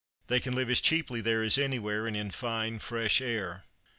They can live as cheaply there as anywhere, and in fine fresh air."